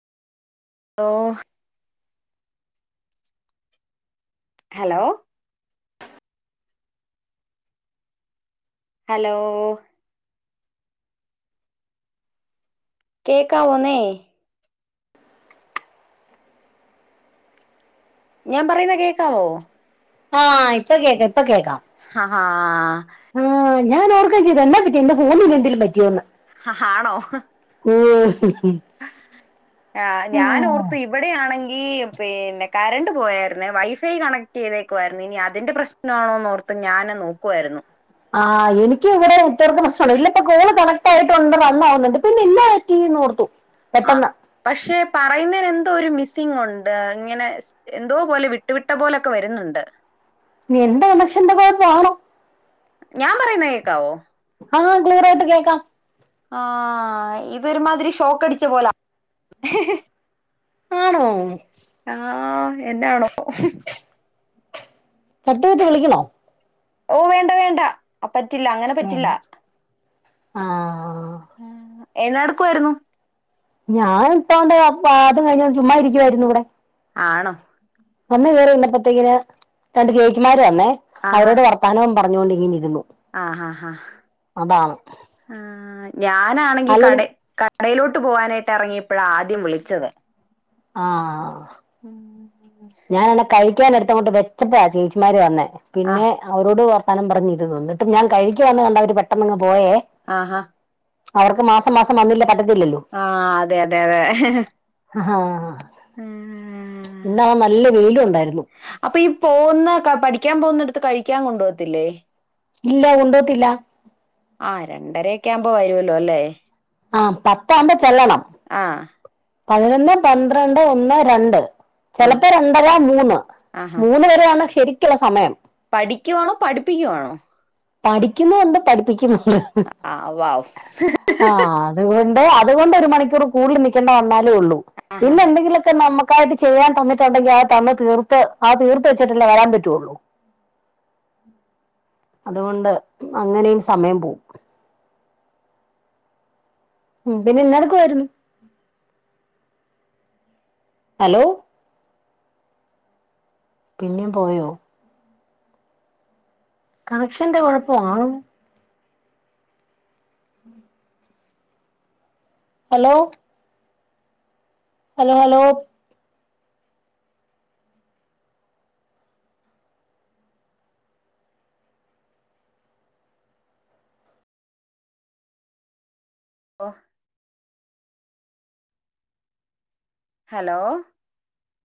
law hello hello കേക്കാവോന്നേ ഞാൻ പറയുന്നെ കേക്കാവോ ആഹ ഇപ്പ കേക്കാം ഇപ്പ കേക്കാം ഹ ഹാ ആഹ് ഞാൻ ഓർക്കേംചെയ്തു എന്നാ പറ്റി എന്റെ ഫോണിന് എന്തേലും പറ്റിയോന്ന് ഹ ഹാണോ ഏഹ് ആഹ് ഞാൻ ഓർത്തു ഇ വടെയാണെങ്കി പിന്നെ കരണ്ട് പോയായിരുന്നേ വൈഫൈ കണക്ട് ചെയ്തേക്കുവായിരുന്നു ഇനി അതിന്റെ പ്രശ് നാണോന്നോർത്ത് ഞാന് നോക്കുവായിരുന്നു ആഹ് എനിക്ക് അങ്ങനെ ഉത്തർക്ക് പ്രശ്നല്ല ഇല്ലത്തെ കോള് കണക്ട് ആയിട്ടുണ്ട് വന്നാവുന്നുണ്ട് പിന്നെ ഇല്ല കീ നോർത്തു ആഹ് പക്ഷെ പറയുന്നേന് എന്തോ ഒരു മിസ്സിംഗ് ഉണ്ട് ഇങ്ങനെ സ് എന്തോ പോലെ വിട്ട് വിട്ട പോലൊക്കെ വരുന്നുണ്ട് ഇനി എന്റെ കണക്ഷന്റെ കൊഴപ്പാണോ ഞാൻ പറയുന്ന കേക്കാവോ ആ ക്ലിയറായിട്ട് കേക്കാം ആ ഇതൊരുമാതിരി ഷോക്കടിച്ച പോല ആണോ ആ എന്നാണോ കട്ടെയ്ത് വിളിക്കണോ ഓ വേണ്ട വേണ്ട പറ്റില്ല അങ്ങനെ പറ്റില്ല ആ എന്ന ട്ക്ക്വയിരുന്നു ഞാൻ ഇട്ടണ്ട് [unintelligible] കയ്ഞ് ചുമ്മ ഇരിക്ക്യായിരുന്നു ഇവടെ ആണോ വന്ന് കേറി വന്നപ്പത്തേക്കിന് രണ്ട് ചേച്ചിമാര് വന്നേ അവരോട് വർ ത്താനം പറഞ്ഞോണ്ടിങ്ങനിരുന്നു ആ ഹ ഹ ആ ഞാനാണെങ്കി അല്ലേലും കടേ കട് കടയിലോട്ട് പോവാനായിട്ട് എറങ്ങിയപ്പളാ ആദ്യം വിളിച്ചത് ആ ഞാനാണെ കഴിക്കൻ എടുത്തങ് വെച്ചപ്പഴാ ചേച്ചിമാര് വന്നെ ആ പിന്നെ അവരോട് വർത്താനം പറഞ്ഞിരു ന്ന്ട്ടും ഞാൻ കഴിക്കാന്ന് കണ്ടവര് പെട്ടെന്നങ്ങ് പോയേ ആഹാ അവർക്ക് മാസം മാസം വന്നില്ല പറ്റത്തില്ലല്ലോ ആ അതെ അതെ അതെ ഹ ഹ ഇന്നാണെ നല്ല വെയിലുംണ്ടായിരുന്നു അപ്പൊ ഈ പോന്നെ പഠിക്കാൻ പോന്നടെത്ത് കഴിക്കാൻ കൊണ്ടോവത്തില്ലേ ഇല്ല കൊണ്ടോത്തില്ല ആ രണ്ടരയൊക്കാവുമ്പോ വരോല്ലോ ല്ലേ ആ പത്താമ്പോ ചെല്ലണം ആ പതിനൊന്ന് പന്ത്രണ്ട് ഒന്ന് രണ്ട് ആ ചെലപ്പോ രണ്ടരാ മൂന്ന് ആഹാ മൂന്ന് വെരെയാണ് ശെരിക്കുള്ള സമയം പഠിക്കുവാണോ പഠിപ്പിക്കുവാണോ പഠിക്കുന്നുണ്ട് പഠിപ്പിക്കുന്നുണ്ട് ആവു ആവു ആ അതുകൊണ്ട് അതുകൊണ്ട് ഒരു മണിക്കൂർ കൂടുതൽ നിക്കണ്ട വന്നാലേ ള്ളൂ ആഹാ പിന്നെ എന്തെങ്കിലൊക്കെ നമ്മക്ക് ക്കായിട്ട് ചെയ്യാൻ തന്നിട്ടുണ്ടെങ്കിൽ ആ തന്ന തീർത്ത് ആ തീർത്ത വെച്ചിട്ടല്ലേ വരാൻ പറ്റുള്ളൂ അതുകൊണ്ട് അങ്ങനേം സമയം പോകും ഉം പിന്നെന്നട്ക്കുവായിരുന്നു ഹലോ പിന്നിം പോയോ കണക്ഷന്റെ കൊഴപ്പാണോ ഹലോ ഹലോ ഹലോ ഒ ഹലോ